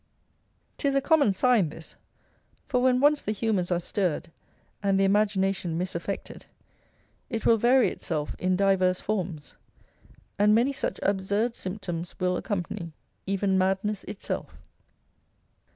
'Tis a common sign this; for when once the humours are stirred, and the imagination misaffected, it will vary itself in divers forms; and many such absurd symptoms will accompany, even madness itself.